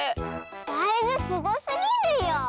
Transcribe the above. だいずすごすぎるよ。